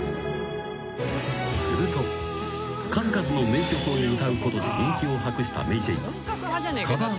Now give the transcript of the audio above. ［すると数々の名曲を歌うことで人気を博したＭａｙＪ．は］